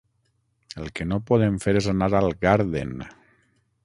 El que no podem fer és anar al Garden.